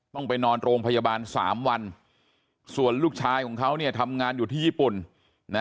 ต้องไปนอนโรงพยาบาลสามวันส่วนลูกชายของเขาเนี่ยทำงานอยู่ที่ญี่ปุ่นนะ